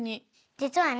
実はね